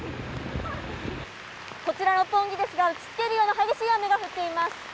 こちら六本木ですが打ち付けるような激しい雨が降っています。